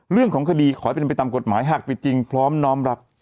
เรื่องของคดีขอเป็นปฏิตำกฎหมายหักวิจริงพร้อมน้อมรับ